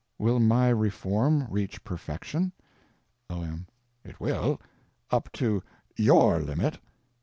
Will my reform reach perfection? O.M. It will. Up to _your _limit.